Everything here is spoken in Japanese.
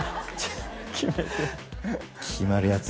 決まるやつ